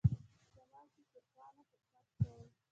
په شمال کې ترکانو حکومت کاوه.